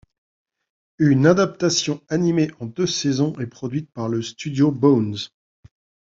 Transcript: Une adaptation animée en deux saisons est produite par le studio Bones.